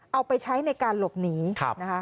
เอาไปใช้ในการหลบหนีนะคะ